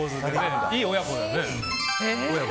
いい親子だよね。